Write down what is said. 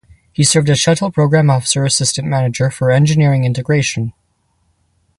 He served as Shuttle Program Office Assistant Manager for Engineering Integration.